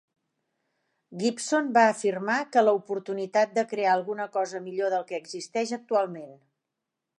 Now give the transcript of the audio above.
Gibson va afirmar que "la oportunitat de crear alguna cosa millor del que existeix actualment".